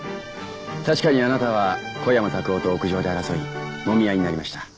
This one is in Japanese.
確かにあなたは小山卓夫と屋上で争いもみ合いになりました。